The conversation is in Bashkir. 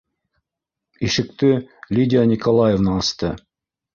Ишекте Лидия Николаевна асты: